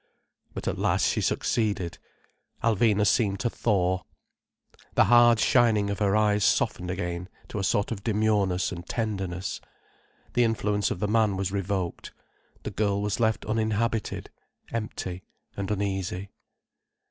But at last she succeeded. Alvina seemed to thaw. The hard shining of her eyes softened again to a sort of demureness and tenderness. The influence of the man was revoked, the girl was left uninhabited, empty and uneasy.